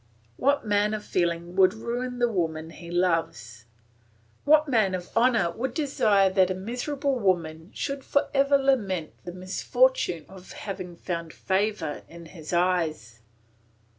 What man of feeling would ruin the woman he loves? What man of honour would desire that a miserable woman should for ever lament the misfortune of having found favour in his eyes?